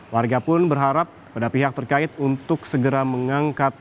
warga pun berharap pada pihak terkait untuk segera mengangkat